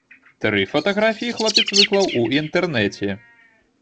Тры фатаграфіі хлопец выклаў у інтэрнэце.